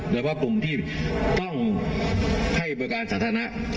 แล้วก็กลุ่มที่ต้องให้บริการสาธารณะ